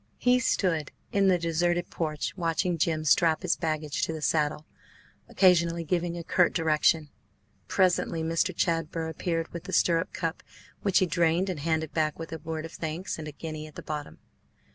He stood in the deserted porch, watching Jim strap his baggage to the saddle, occasionally giving a curt direction. Presently Mr. Chadber appeared with the stirrup cup, which he drained and handed back with a word of thanks and a guinea at the bottom.